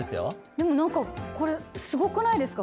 でも何かこれすごくないですか？